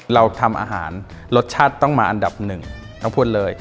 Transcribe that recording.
เราทำอาหารรสชาติต้องมาอันดับหนึ่งต้องพูดเลย